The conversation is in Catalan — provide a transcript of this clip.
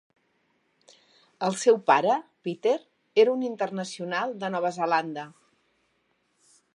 El seu pare, Peter, era un internacional de Nova Zelanda.